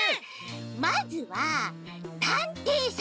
まずはたんていさんのやく。